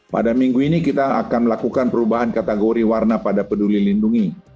pada minggu ini kita akan melakukan perubahan kategori warna pada peduli lindungi